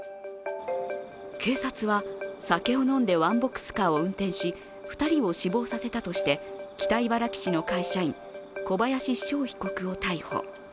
警察は酒を飲んでワンボックスカーを運転し２人を死亡させたとして北茨城市の会社員小林翔被告を逮捕。